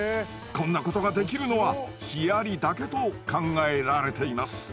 こんなができるのはヒアリだけと考えられています。